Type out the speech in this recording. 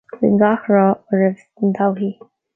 Guím gach rath oraibh don todhchaí